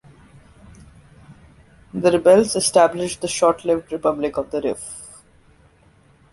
The rebels established the short-lived Republic of the Rif.